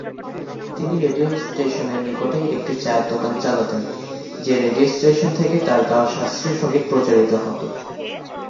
তিনি রেডিও স্টেশনের নিকটেই একটি চায়ের দোকান চালাতেন, যে রেডিও স্টেশন থেকে তার গাওয়া শাস্ত্রীয় সংগীত প্রচারিত হত।